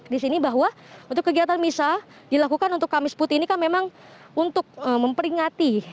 di sini bahwa untuk kegiatan misa dilakukan untuk kamis putih ini kan memang untuk memperingati